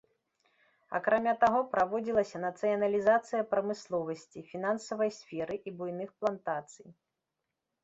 Акрамя таго, праводзілася нацыяналізацыя прамысловасці, фінансавай сферы і буйных плантацый.